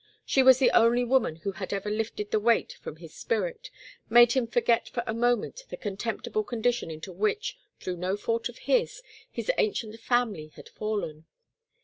She was the only woman who had ever lifted the weight from his spirit, made him forget for a moment the contemptible condition into which, through no fault of his, his ancient family had fallen.